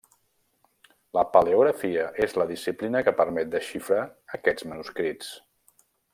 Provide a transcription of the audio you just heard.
La paleografia és la disciplina que permet desxifrar aquests manuscrits.